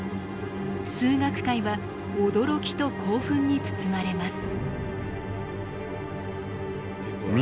数学界は驚きと興奮に包まれます。